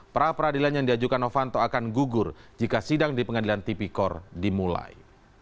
pra peradilan yang diajukan novanto akan gugur jika sidang di pengadilan tipikor dimulai